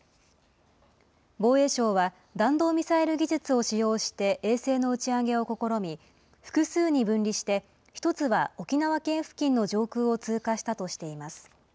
防衛省は、弾道ミサイル技術を使用して衛星の打ち上げを試み、複数に分離して、１つは沖縄県付近の上空を通過したとしています。